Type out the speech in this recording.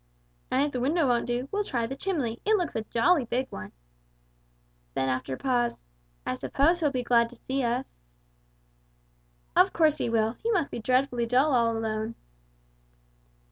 "And if the window won't do, we'll try the chimney, it looks a jolly big one." Then after a pause "I suppose he'll be glad to see us?" "Of course he will. He must be dreadfully dull all alone."